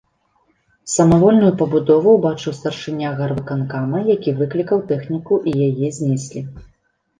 Самавольную пабудову ўбачыў старшыня гарвыканкама, які выклікаў тэхніку і яе знеслі.